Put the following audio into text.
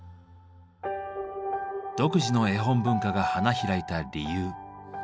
独自の絵本文化が花開いた理由。